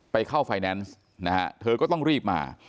ไปเข้าไฟแนนซ์นะฮะเธอก็ต้องรีบมา